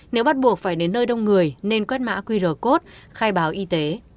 nếu bắt buộc phải đến nơi đông người nên quét mã qr code khai báo y tế